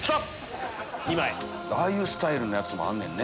ああいうスタイルもあるねんね。